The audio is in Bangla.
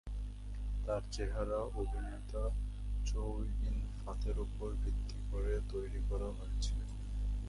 তার চেহারা অভিনেতা চৌ ইউন-ফাতের উপর ভিত্তি করে তৈরি করা হয়েছে।